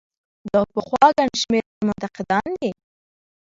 دا پخوا ګڼ شمېر منتقدان دي.